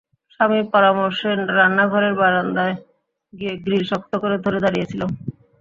স্বামীর পরামর্শে রান্না ঘরের বারান্দায় গিয়ে গ্রিল শক্ত করে ধরে দাঁড়িয়ে ছিলাম।